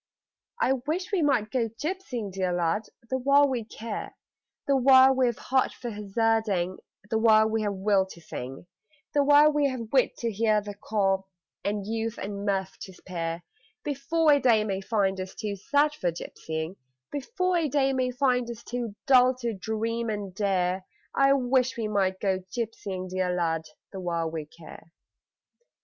I wish we might go gypsying, dear lad, the while we care The while we've heart for hazarding, The while we've will to sing, The while we've wit to hear the call And youth and mirth to spare, Before a day may find us too sad for gypsying, Before a day may find us too dull to dream and dare I wish we might go gypsying, dear lad, the while we care.